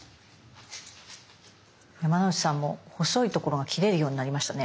山之内さんも細いところが切れるようになりましたね。